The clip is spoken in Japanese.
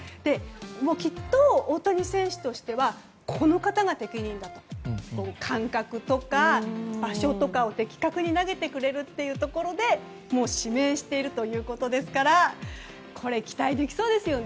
きっと、大谷選手としてはこの方が適任だと投球間隔とか場所とかを的確に投げてくれるというところで指名しているということですからこれ、期待できそうですよね。